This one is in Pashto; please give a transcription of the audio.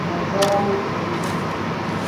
کنځاوې کوي.